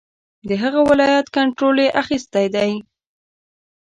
د هغه ولایت کنټرول یې اخیستی دی.